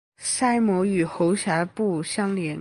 鳃膜与喉峡部相连。